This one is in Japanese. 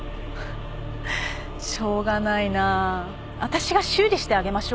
しょうがないなぁ私が修理してあげましょうか？